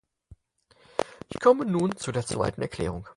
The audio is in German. Ich komme nun zu der zweiten Erklärung.